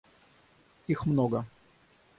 Их много.